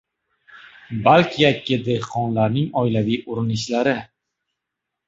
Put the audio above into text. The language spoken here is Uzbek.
balki yakka dehqonlarning oilaviy urinishlari